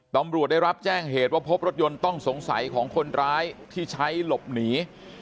ตำรวจได้รับแจ้งเหตุว่าพบรถยนต์ต้องสงสัยของคนร้ายที่ใช้หลบหนี